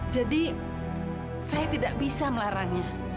jadi saya tidak bisa melarangnya